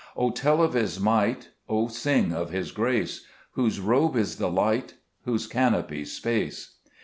2 O tell of His might, O sing of His grace, Whose robe is the light, whose canopy space.